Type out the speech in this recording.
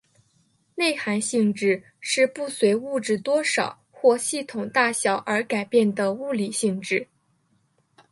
内含性质是不随物质多少或系统大小而改变的物理性质。